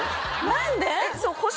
何で？